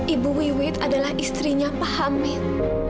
ibu wiwit adalah istrinya pahamit